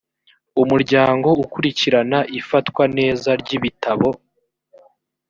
umuryango akurikirana ifatwa neza ry ibitabo